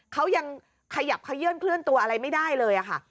เขายังขยับขยื่นเคลื่อนตัวอะไรไม่ได้เลยค่ะ